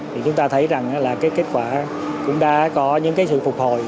thì chúng ta thấy rằng là cái kết quả cũng đã có những cái sự phục hồi